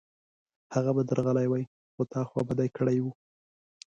هغه به درغلی وای، خو تا خوابدی کړی و